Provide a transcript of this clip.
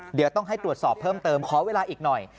เดี๋ยวต้องให้ตรวจสอบเพิ่มเติมขอเวลาอีกหน่อย